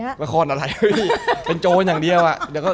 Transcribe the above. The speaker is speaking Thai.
พี่เริ่มมาเป็นอย่างงี้พ่อเป็นอย่างงี้พ่อเป็นอย่างงี้